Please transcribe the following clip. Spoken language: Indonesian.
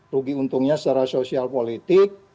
rugi untungnya secara sosial politik